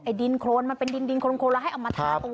ดินโครนมันเป็นดินโครนแล้วให้เอามาทาตรง